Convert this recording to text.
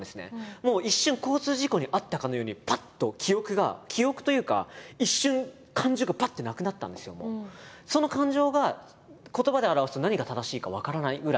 もう一瞬交通事故に遭ったかのようにぱっと記憶が記憶というかその感情が言葉で表すと何が正しいか分からないぐらい